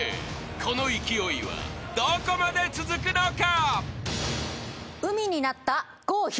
［この勢いはどこまで続くのか？］